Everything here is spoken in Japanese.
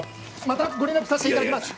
またご連絡さしていただきます。